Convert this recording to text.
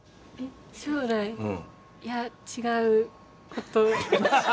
将来いや違うことを。